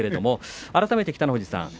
改めて北の富士さん